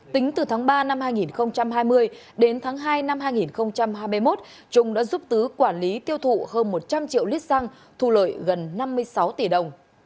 tính từ tháng ba năm hai nghìn hai mươi đến tháng hai năm hai nghìn hai mươi một trung đã giúp tứ quản lý tiêu thụ hơn một trăm linh triệu lít xăng thu lợi gần năm mươi sáu tỷ đồng